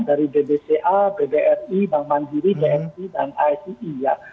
dari bdca bdri bank mandiri dnp dan asei ya